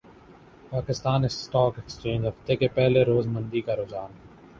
Pakistan stock exchange ہفتے کے پہلے روز مندی کا رحجان